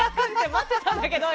待ってたんだけど！